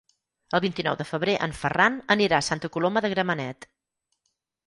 El vint-i-nou de febrer en Ferran anirà a Santa Coloma de Gramenet.